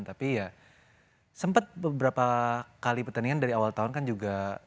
tapi ya sempat beberapa kali pertandingan dari awal tahun kan juga